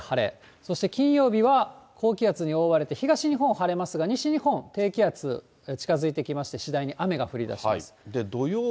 そして金曜日は、高気圧に覆われて東日本晴れますが、西日本、低気圧近づいてきまして、次第に雨が降りだします。